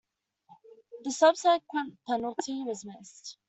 The subsequent penalty was missed.